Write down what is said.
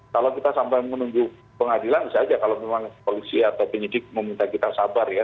kalau kita sampai menunggu pengadilan bisa aja kalau memang polisi atau penyidik meminta kita sabar ya